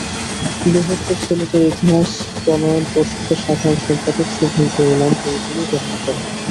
বৃহত্তর সিলেটের ইতিহাস প্রণয়ন পর্ষদের সাধারণ সম্পাদক শুভেন্দু ইমাম বইগুলো গ্রহণ করেন।